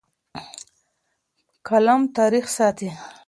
قلم تاریخ ساتي.